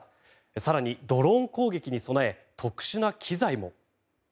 更に、ドローン攻撃に備え特殊な機材も。